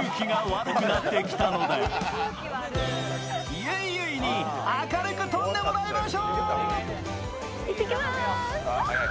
ゆいゆいに明るく飛んでもらいましょう！